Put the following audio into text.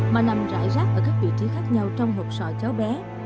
mà nằm rải rác ở các vị trí khác nhau trong hộp sọ cháu bé